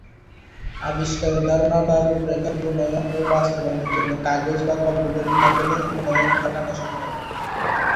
আবিষ্কারের ধারণা বা রূপরেখা প্রণয়ন ও বাস্তবায়নের জন্যে কাগজ বা কম্পিউটারের মাধ্যমে উন্নয়ন ঘটানো সম্ভব।